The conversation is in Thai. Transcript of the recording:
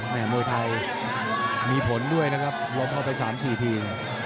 แหม่มวยไทยมีผลด้วยนะครับล้มเข้าไปสามสี่ที